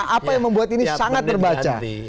apa yang membuat ini sangat terbaca